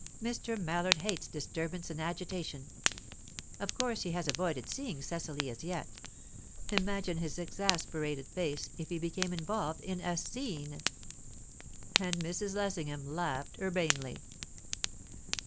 Mr. Mallard hates disturbance and agitation. Of course he has avoided seeing Cecily as yet; imagine his exasperated face if he became involved in a 'scene'!" And Mrs. Lessingham laughed urbanely.